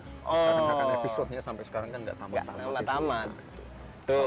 karena kan episode nya sampai sekarang kan nggak tambah tambah